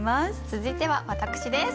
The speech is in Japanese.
続いては私です。